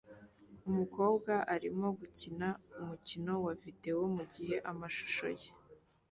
Umukobwa arimo gukina umukino wa videwo mugihe amashusho ye